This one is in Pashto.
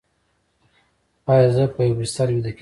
ایا زه په یوه بستر ویده کیدی شم؟